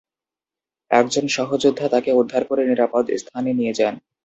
একজন সহযোদ্ধা তাকে উদ্ধার করে নিরাপদ স্থানে নিয়ে যান।